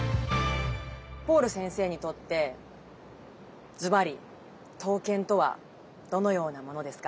ポール先生にとってずばり刀剣とはどのようなものですか？